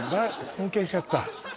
尊敬しちゃった？